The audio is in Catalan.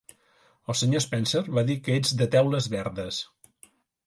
El senyor Spencer va dir que ets de Teules Verdes.